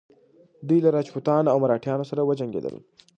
دوی له راجپوتانو او مراتیانو سره وجنګیدل.